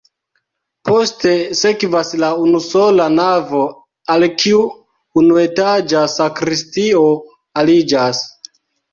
Poste sekvas la unusola navo, al kiu unuetaĝa sakristio aliĝas.